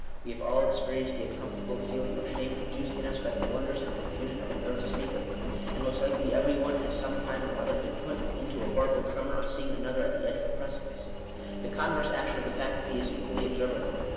We have all experienced the uncom fortable feeling of shame produced in us by the blunders and confusion of a nervous speaker ; and most likely every one has some time or other been put into a horrible tremor on seeing another at the edge of a precipice. The converse action of the faculty is equally observable.